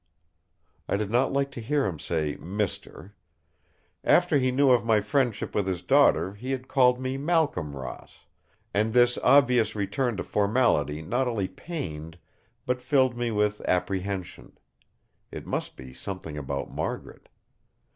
I did not like to hear him say "Mr." After he knew of my friendship with his daughter he had called me Malcolm Ross; and this obvious return to formality not only pained, but filled me with apprehension. It must be something about Margaret.